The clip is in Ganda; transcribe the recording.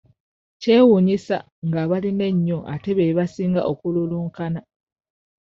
Kyewuunyisa ng'abalina ennyo ate be basinga okululunkana.